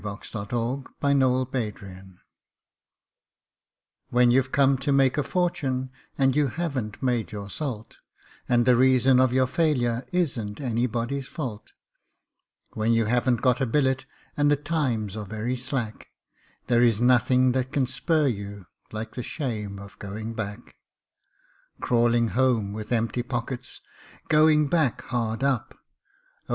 The Shame of Going Back When you've come to make a fortune and you haven't made your salt, And the reason of your failure isn't anybody's fault When you haven't got a billet, and the times are very slack, There is nothing that can spur you like the shame of going back; Crawling home with empty pockets, Going back hard up; Oh!